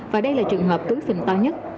và đây là trường hợp túi phình to nhất